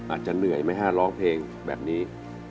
อาจจะเหนื่อยไหมฮะร้องเพลงแบบนี้